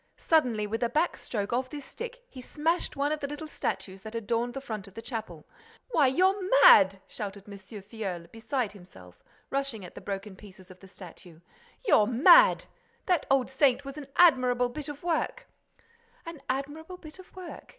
Suddenly, with a back stroke of this stick, he smashed one of the little statues that adorned the front of the chapel. "Why, you're mad!" shouted M. Filleul, beside himself, rushing at the broken pieces of the statue. "You're mad! That old saint was an admirable bit of work—" "An admirable bit of work!"